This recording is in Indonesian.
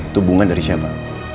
itu bunga dari siapa